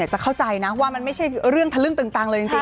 จะเข้าใจนะว่ามันไม่ใช่เรื่องทะลึ่งตึงตังเลยจริง